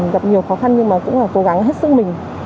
gặp nhiều khó khăn nhưng mà cũng là cố gắng hết sức mình